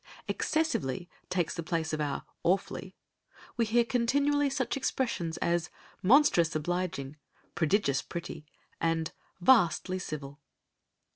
"Excessively" takes the place of our "awfully," we hear continually such expressions as "monstrous obliging," "prodigious pretty," and "vastly civil."